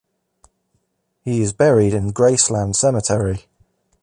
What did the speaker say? He is buried in Graceland Cemetery.